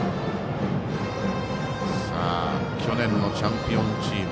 去年のチャンピオンチーム。